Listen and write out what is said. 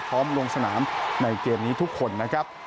ลงสนามในเกมนี้ทุกคนนะครับ